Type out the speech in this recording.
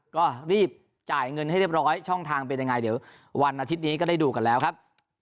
ก็รีบจ่ายเงินให้เรียบร้อยช่องทางเป็นยังไงเดี๋ยววันอาทิตย์นี้ก็ได้ดูกันแล้วครับ